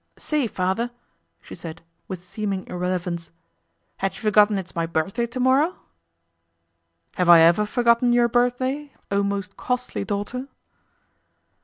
'Say, father,' she said, with seeming irrelevance, 'had you forgotten it's my birthday to morrow?' 'Have I ever forgotten your birthday, O most costly daughter?